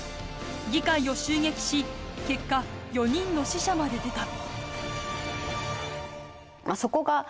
議会を襲撃し結果４人の死者まで出た。